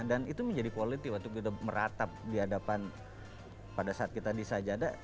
dan itu menjadi quality waktu gue udah meratap di hadapan pada saat kita di sajada